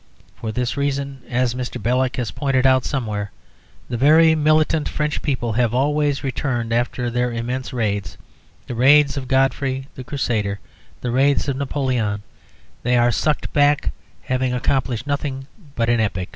For this reason (as Mr. Belloc has pointed out somewhere), the very militant French people have always returned after their immense raids the raids of Godfrey the Crusader, the raids of Napoleon; "they are sucked back, having accomplished nothing but an epic."